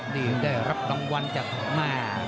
ได้รับกำวัลจากมาก